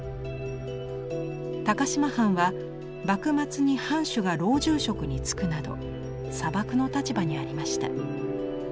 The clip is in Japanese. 高島藩は幕末に藩主が老中職に就くなど佐幕の立場にありました。